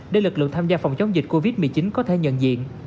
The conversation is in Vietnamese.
để lực lượng tham gia phòng chống dịch covid một mươi chín có thể nhận diện